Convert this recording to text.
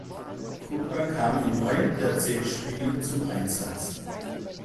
Krupa kam in neun der zehn Spiele zum Einsatz.